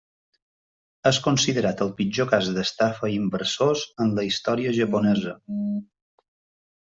És considerat el pitjor cas d'estafa a inversors en la història japonesa.